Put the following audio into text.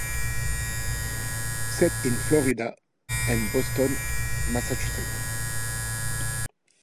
Set in Florida and Boston, Massachusetts.